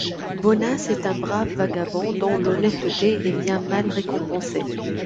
Bonace est un brave vagabond dont l'honnêteté est bien mal récompensée.